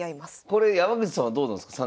これ山口さんはどうなんですか？